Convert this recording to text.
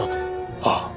ああ。